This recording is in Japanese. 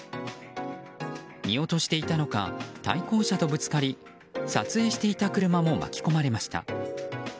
見落としていたのか対向車とぶつかり撮影していた車も巻き込まれました。